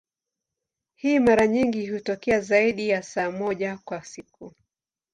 Hii mara nyingi hutokea zaidi ya saa moja kwa siku.